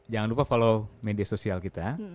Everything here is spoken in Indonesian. jangan lupa kalau media sosial kita